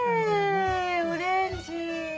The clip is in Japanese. オレンジ。